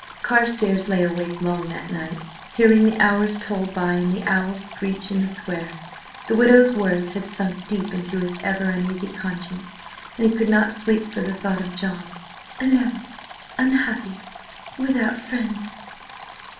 Carstares lay awake long that night, hearing the hours toll by and the owls screech in the square. The widow's words had sunk deep into his ever uneasy conscience, and he could not sleep for the thought of John, "alone, unhappy, without friends."